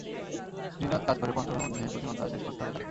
দিন-রাত কাজ করে পঞ্চমীর মধ্যে প্রতিমার কাজ শেষ করতে হবে তাঁকে।